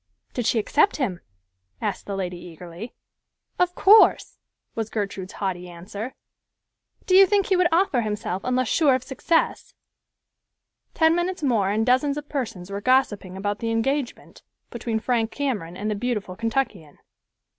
"Did she accept him?" asked the lady eagerly. "Of course," was Gertrude's haughty answer. "Do you think he would offer himself unless sure of success?" Ten minutes more and dozens of persons were gossiping about the engagement between Frank Cameron and the beautiful Kentuckian.